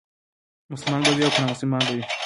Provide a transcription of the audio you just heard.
مسلمان به وي او که نامسلمان به وي.